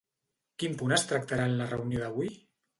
Quin punt es tractarà en la reunió d'avui?